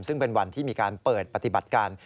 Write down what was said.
ซึ่งเป็นวันที่มีการเปิดปฏิบัติการ